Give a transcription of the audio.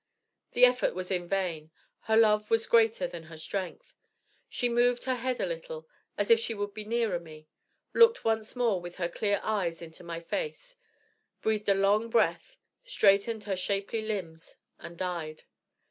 The effort was in vain. Her love was greater than her strength. She moved her head a little, as if she would be nearer me, looked once more with her clear eyes into my face, breathed a long breath, straightened her shapely limbs, and died.